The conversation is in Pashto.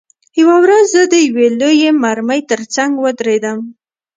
یوه ورځ زه د یوې لویې مرمۍ ترڅنګ ودرېدم